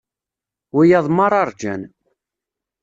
Wiyaḍ merra rjan.